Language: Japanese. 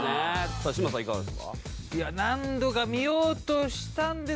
さあ嶋佐いかがですか？